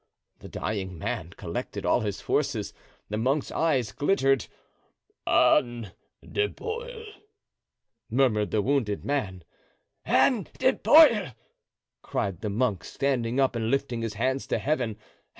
The dying man collected all his forces. The monk's eyes glittered. "Anne de Bueil," murmured the wounded man. "Anne de Bueil!" cried the monk, standing up and lifting his hands to Heaven.